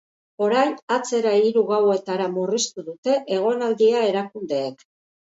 Orain, atzera hiru gauetara murriztu dute egonaldia erakundeek.